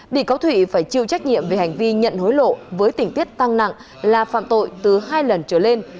bị cáo thủy phải chịu trách nhiệm về hành vi nhận hối lộ với tỉnh tiết tăng nặng là phạm tội từ hai lần trở lên